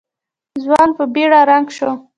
ځوان په بېړه رنګ شو.